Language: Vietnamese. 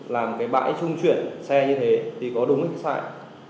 làm cái bãi trung chuyển xe như thế thì có đúng hay sai